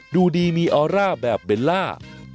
ดูดีมีออร่าแบบเบลล่า